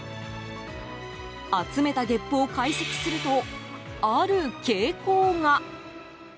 集めたげっぷを解析するとある傾向が。